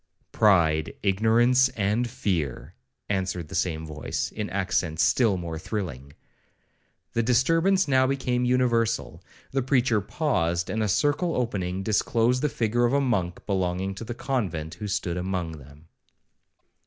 '—'Pride, ignorance, and fear,' answered the same voice, in accents still more thrilling. The disturbance now became universal. The preacher paused, and a circle opening, disclosed the figure of a monk belonging to the convent, who stood among them.